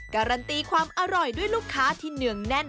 การันตีความอร่อยด้วยลูกค้าที่เนืองแน่น